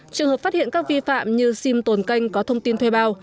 trường hợp phát hiện các vi phạm như sim tồn canh có thông tin thuê bao